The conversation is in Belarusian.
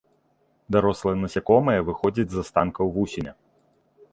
Дарослыя насякомыя выходзяць з астанкаў вусеня.